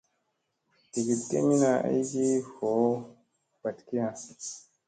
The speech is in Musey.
Digiɗ kemina aygi voo vaɗkiya.